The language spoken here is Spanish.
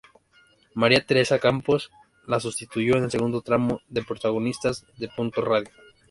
María Teresa Campos la sustituyó en el segundo tramo de "Protagonistas" de Punto Radio.